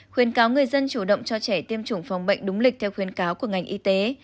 khuyên cáo người dân chủ động cho trẻ tiêm chủng phòng bệnh đúng lịch theo khuyến cáo của ngành y tế